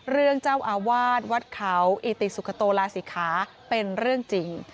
เรื่องเจ้าอาวาสวัดเขาอิติสุขโตลาศิขาเป็นเรื่องจริง